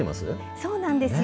そうなんですよ。